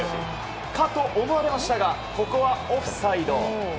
かと思われましたがここはオフサイド。